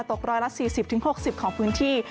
ตกร้อยละ๔๐๖๐ของพื้นที่